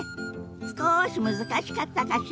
すこし難しかったかしら。